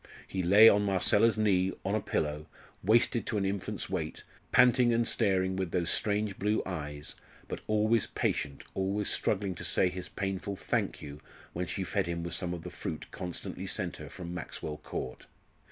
He lay on Marcella's knee on a pillow, wasted to an infant's weight, panting and staring with those strange blue eyes, but always patient, always struggling to say his painful "thank you" when she fed him with some of the fruit constantly sent her from Maxwell Court.